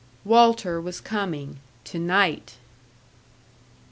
Walter was coming to night!